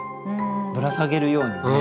ぶら下げるようにね。